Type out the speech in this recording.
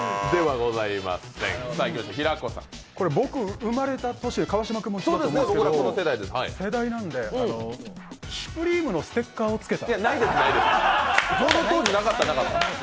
生まれた年で、川島君も一緒だと思うんですけど世代なんで、シュプリームのステッカーをつけた。